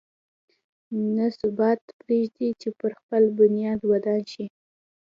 نه ثبات پرېږدي چې پر خپل بنیاد ودان شي.